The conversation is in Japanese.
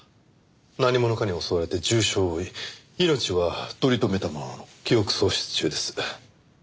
何者かに襲われて重傷を負い命は取り留めたものの記憶喪失中です。